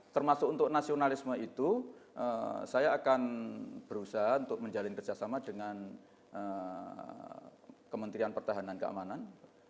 termasuk untuk nasionalisme itu saya akan berusaha untuk menjalin kerjasama dengan kementerian pertahanan keamanan